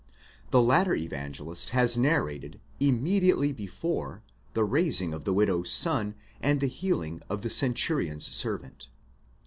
The latter evangelist has narrated, immediately before, the raising of the widow's son, and the healing of the centurion's servant.